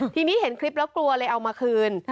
ทีนี้เห็นคลิปแล้วกลัวเลยเอามาคืน